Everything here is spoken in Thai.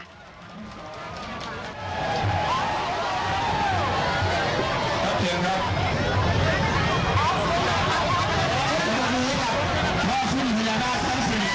อย่าอย่าอย่าอย่า